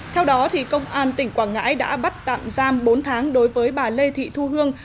theo đó công an tỉnh quảng ngãi đã bắt tạm giam bốn tháng đối với bà lê thị thu hương